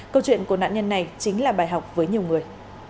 câu chuyện của nạn nhân này chính là bài học với nhiều người